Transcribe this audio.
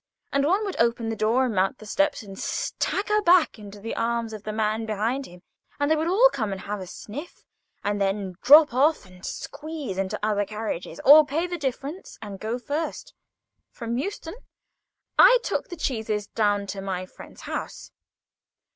And one would open the door and mount the steps, and stagger back into the arms of the man behind him; and they would all come and have a sniff, and then droop off and squeeze into other carriages, or pay the difference and go first. From Euston, I took the cheeses down to my friend's house.